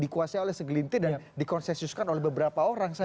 dikuasai oleh segelintir dan dikonsesiuskan oleh beberapa orang saja